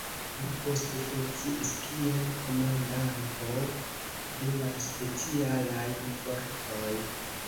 Li poste funkciis kiel komandanto de la specialaj fortoj.